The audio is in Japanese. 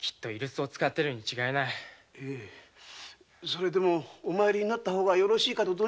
それでもお回りになった方がよろしいかと存じます。